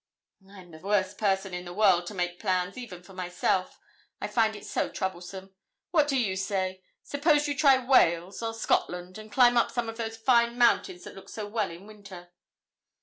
'I am the worst person in the world to make plans, even for myself, I find it so troublesome. What do you say? Suppose you try Wales or Scotland, and climb up some of those fine mountains that look so well in winter?'